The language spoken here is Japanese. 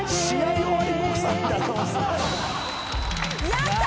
やった！